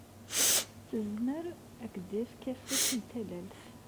Tezmer ad k-d-tefk afus n tallalt.